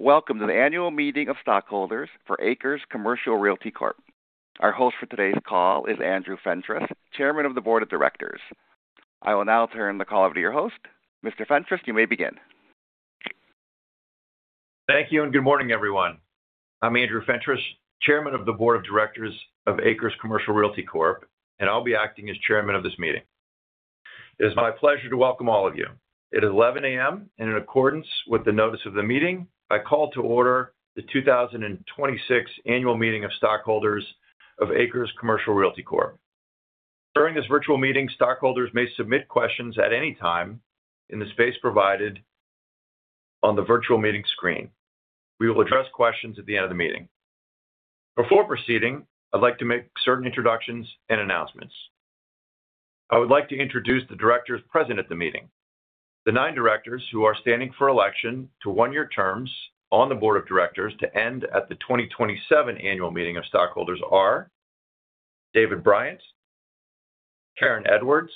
Welcome to the annual meeting of stockholders for ACRES Commercial Realty Corp. Our host for today's call is Andrew Fentress, chairman of the board of directors. I will now turn the call over to your host. Mr. Fentress, you may begin. Thank you, good morning, everyone. I'm Andrew Fentress, chairman of the board of directors of ACRES Commercial Realty Corp., and I'll be acting as chairman of this meeting. It is 11:00 A.M., and in accordance with the notice of the meeting, I call to order the 2026 annual meeting of stockholders of ACRES Commercial Realty Corp. During this virtual meeting, stockholders may submit questions at any time in the space provided on the virtual meeting screen. We will address questions at the end of the meeting. Before proceeding, I'd like to make certain introductions and announcements. I would like to introduce the directors present at the meeting. The nine directors who are standing for election to one-year terms on the board of directors to end at the 2027 annual meeting of stockholders are David Bryant, Karen Edwards,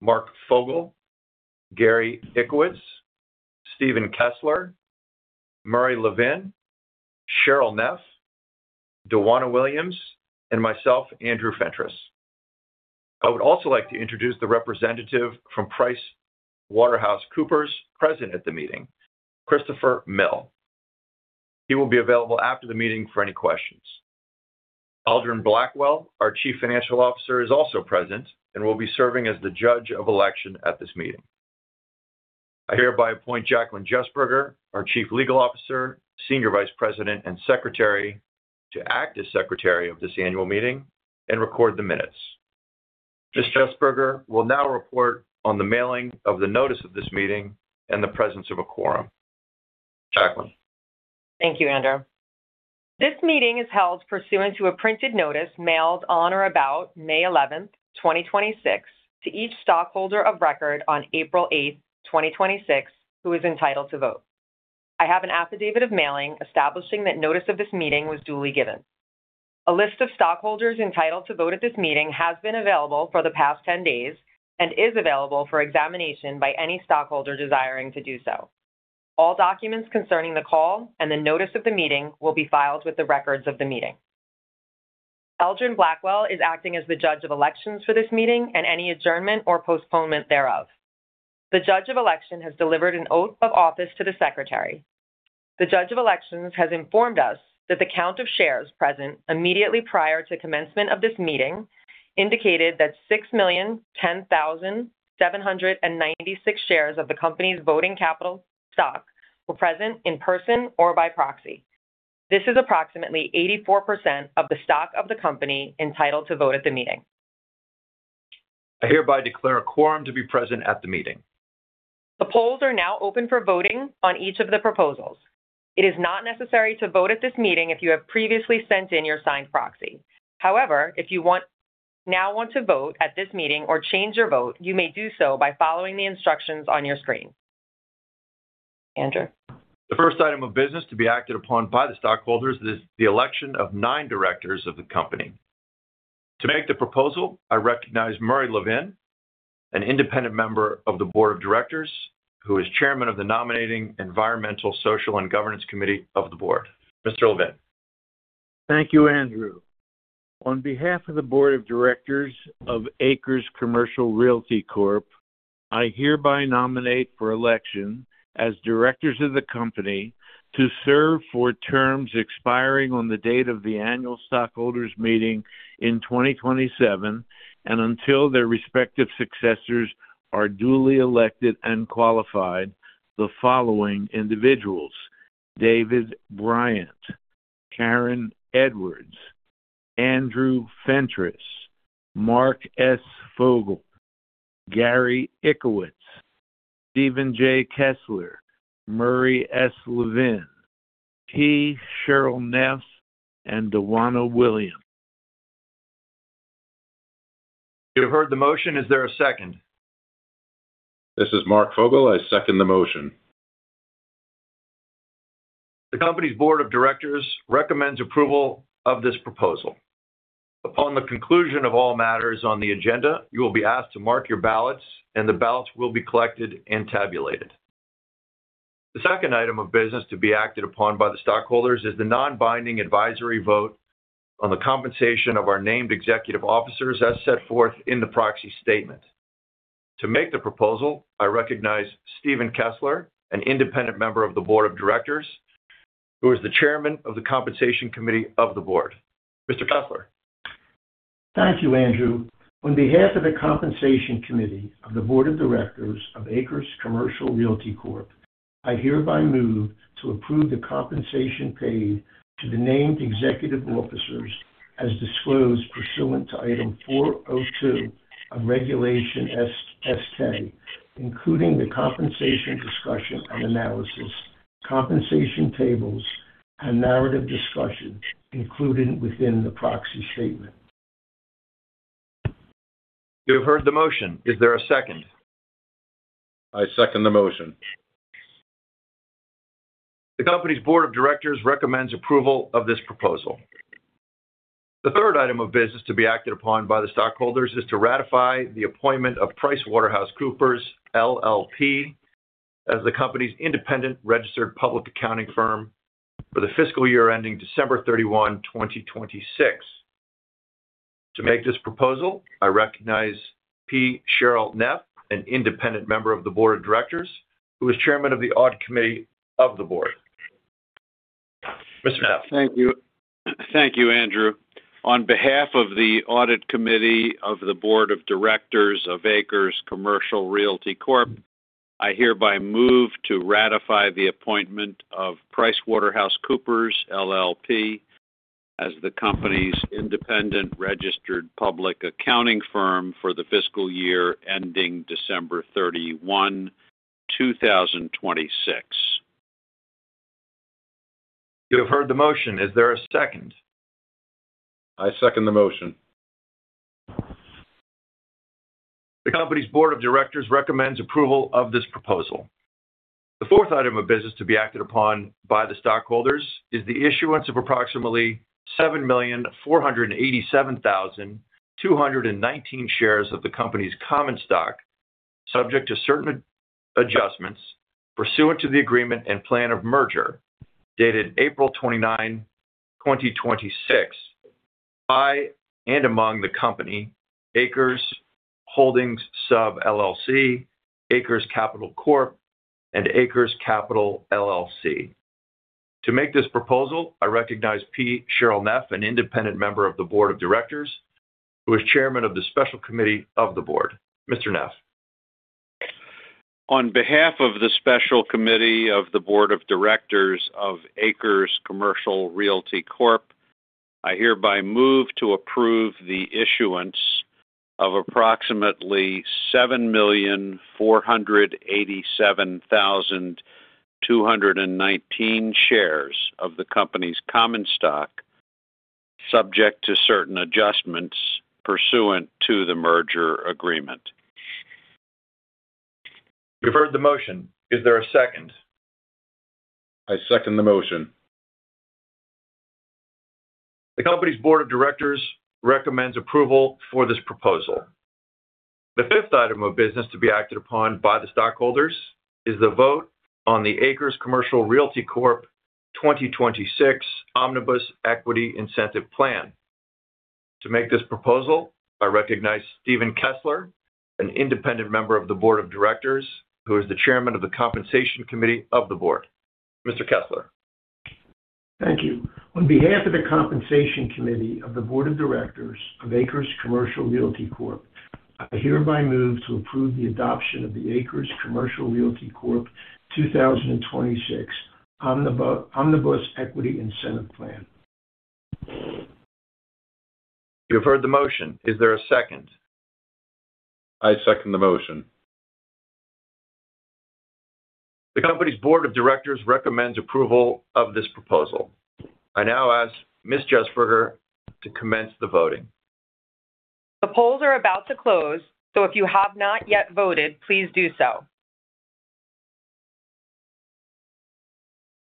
Mark Fogel, Gary Ickowicz, Steven Kessler, Murray Levin, Sherrill Neff, Dawanna Williams, and myself, Andrew Fentress. I would also like to introduce the representative from PricewaterhouseCoopers present at the meeting, Christopher Mill. He will be available after the meeting for any questions. Eldron Blackwell, our chief financial officer, is also present and will be serving as the judge of election at this meeting. I hereby appoint Jaclyn Jesberger, our chief legal officer, senior vice president, and secretary to act as secretary of this annual meeting and record the minutes. Ms. Jesberger will now report on the mailing of the notice of this meeting and the presence of a quorum. Jaclyn? Thank you, Andrew. This meeting is held pursuant to a printed notice mailed on or about May 11th, 2026, to each stockholder of record on April 8th, 2026, who is entitled to vote. I have an affidavit of mailing establishing that notice of this meeting was duly given. A list of stockholders entitled to vote at this meeting has been available for the past 10 days and is available for examination by any stockholder desiring to do so. All documents concerning the call and the notice of the meeting will be filed with the records of the meeting. Eldron Blackwell is acting as the judge of elections for this meeting and any adjournment or postponement thereof. The judge of election has delivered an oath of office to the secretary. The judge of elections has informed us that the count of shares present immediately prior to commencement of this meeting indicated that 6,010,796 shares of the company's voting capital stock were present in person or by proxy. This is approximately 84% of the stock of the company entitled to vote at the meeting. I hereby declare a quorum to be present at the meeting. The polls are now open for voting on each of the proposals. It is not necessary to vote at this meeting if you have previously sent in your signed proxy. However, if you now want to vote at this meeting or change your vote, you may do so by following the instructions on your screen. Andrew? The first item of business to be acted upon by the stockholders is the election of nine directors of the company. To make the proposal, I recognize Murray Levin, an independent member of the board of directors, who is Chairman of the nominating environmental, social, and governance committee of the board. Mr. Levin. Thank you, Andrew. On behalf of the board of directors of ACRES Commercial Realty Corp., I hereby nominate for election as directors of the company to serve for terms expiring on the date of the annual stockholders meeting in 2027 and until their respective successors are duly elected and qualified, the following individuals: David Bryant, Karen Edwards, Andrew Fentress, Mark S. Fogel, Gary Ickowicz, Steven J. Kessler, Murray S. Levin, P. Sherrill Neff, and Dawanna Williams. You have heard the motion. Is there a second? This is Mark Fogel. I second the motion. The company's board of directors recommends approval of this proposal. Upon the conclusion of all matters on the agenda, you will be asked to mark your ballots, and the ballots will be collected and tabulated. The second item of business to be acted upon by the stockholders is the non-binding advisory vote on the compensation of our named executive officers as set forth in the proxy statement. To make the proposal, I recognize Steven Kessler, an independent member of the board of directors, who is the chairman of the compensation committee of the board. Mr. Kessler. Thank you, Andrew. On behalf of the Compensation Committee of the board of directors of ACRES Commercial Realty Corp., I hereby move to approve the compensation paid to the named executive officers as disclosed pursuant to Item 402 of Regulation S-K, including the compensation discussion and analysis, compensation tables, and narrative discussion included within the proxy statement. You have heard the motion. Is there a second? I second the motion. The company's board of directors recommends approval of this proposal. The third item of business to be acted upon by the stockholders is to ratify the appointment of PricewaterhouseCoopers LLP as the company's independent registered public accounting firm for the fiscal year ending December 31, 2026. To make this proposal, I recognize P. Sherrill Neff, an independent member of the board of directors, who is chairman of the audit committee of the board. Mr. Neff? Thank you. Thank you, Andrew. On behalf of the audit committee of the board of directors of ACRES Commercial Realty Corp., I hereby move to ratify the appointment of PricewaterhouseCoopers LLP as the company's independent registered public accounting firm for the fiscal year ending December 31, 2026. You have heard the motion. Is there a second? I second the motion. The company's board of directors recommends approval of this proposal. The fourth item of business to be acted upon by the stockholders is the issuance of approximately 7,487,219 shares of the company's common stock, subject to certain adjustments pursuant to the agreement and plan of merger, dated April 29, 2026, by and among the company, ACRES Holdings Sub, LLC, ACRES Capital Corp., and ACRES Capital, LLC. To make this proposal, I recognize P. Sherrill Neff, an independent member of the board of directors, who is chairman of the special committee of the board. Mr. Neff. On behalf of the special committee of the board of directors of ACRES Commercial Realty Corp., I hereby move to approve the issuance of approximately 7,487,219 shares of the company's common stock, subject to certain adjustments pursuant to the merger agreement. You've heard the motion. Is there a second? I second the motion. The company's board of directors recommends approval for this proposal. The fifth item of business to be acted upon by the stockholders is the vote on the ACRES Commercial Realty Corp. 2026 Omnibus Equity Incentive Plan. To make this proposal, I recognize Steven Kessler, an independent member of the board of directors, who is the Chairman of the compensation committee of the board. Mr. Kessler. Thank you. On behalf of the compensation committee of the board of directors of ACRES Commercial Realty Corp., I hereby move to approve the adoption of the ACRES Commercial Realty Corp. 2026 Omnibus Equity Incentive Plan. You have heard the motion. Is there a second? I second the motion. The company's board of directors recommends approval of this proposal. I now ask Ms. Jesberger to commence the voting. The polls are about to close, so if you have not yet voted, please do so.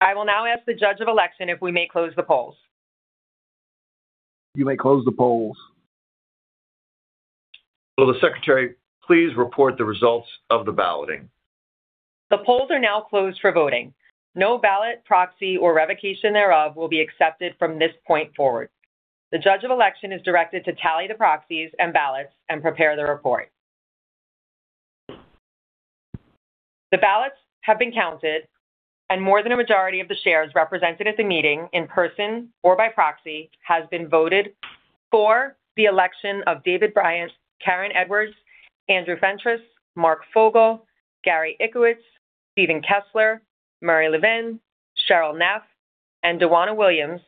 I will now ask the judge of election if we may close the polls. You may close the polls. Will the secretary please report the results of the balloting? The polls are now closed for voting. No ballot, proxy, or revocation thereof will be accepted from this point forward. The judge of election is directed to tally the proxies and ballots and prepare the report. The ballots have been counted and more than a majority of the shares represented at the meeting in person or by proxy has been voted for the election of David Bryant, Karen Edwards, Andrew Fentress, Mark Fogel, Gary Ickowicz, Steven Kessler, Murray Levin, Sherrill Neff, and Dawanna Williams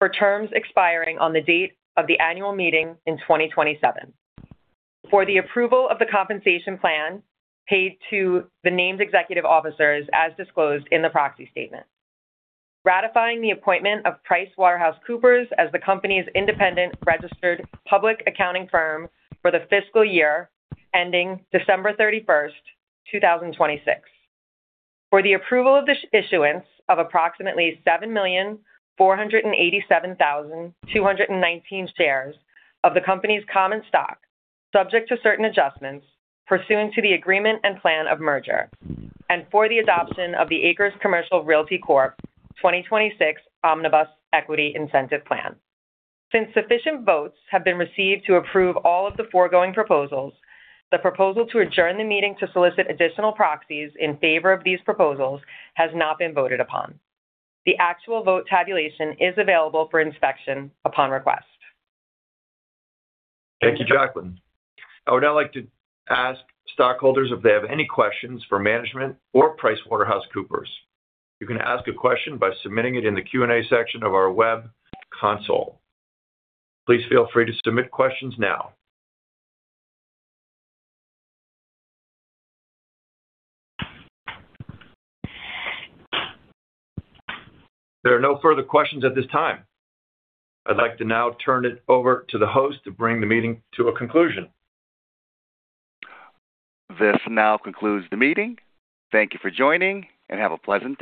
for terms expiring on the date of the annual meeting in 2027. For the approval of the compensation plan paid to the named executive officers as disclosed in the proxy statement. Ratifying the appointment of PricewaterhouseCoopers as the company's independent registered public accounting firm for the fiscal year ending December 31, 2026. For the approval of the issuance of approximately 7,487,219 shares of the company's common stock, subject to certain adjustments pursuant to the agreement and plan of merger. For the adoption of the ACRES Commercial Realty Corp. 2026 Omnibus Equity Incentive Plan. Since sufficient votes have been received to approve all of the foregoing proposals, the proposal to adjourn the meeting to solicit additional proxies in favor of these proposals has not been voted upon. The actual vote tabulation is available for inspection upon request. Thank you, Jaclyn. I would now like to ask stockholders if they have any questions for management or PricewaterhouseCoopers. You can ask a question by submitting it in the Q&A section of our web console. Please feel free to submit questions now. There are no further questions at this time. I'd like to now turn it over to the host to bring the meeting to a conclusion. This now concludes the meeting. Thank you for joining, and have a pleasant day.